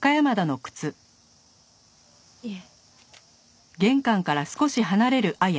いえ。